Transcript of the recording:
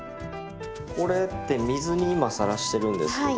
これって水に今さらしてるんですけど。